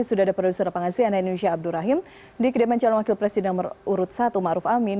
sudah ada produser pengasian indonesia abdur rahim di kediaman calon wakil presiden nomor urut satu maruf amin